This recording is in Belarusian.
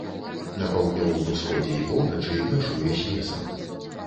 На паўднёвым усходзе і поўначы мяжуе з лесам.